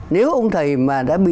nếu ông thầy mà đã bị